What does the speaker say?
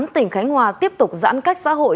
tỉnh khánh hòa tiếp tục giãn cách xã hội